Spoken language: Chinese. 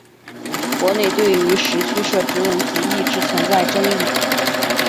国内对于时区设置问题一直存在争议。